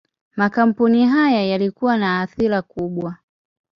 Makampuni haya yalikuwa na athira kubwa.